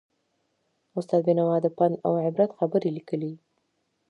استاد بینوا د پند او عبرت خبرې لیکلې.